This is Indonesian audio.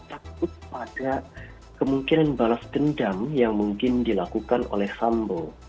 takut pada kemungkinan balas dendam yang mungkin dilakukan oleh sambo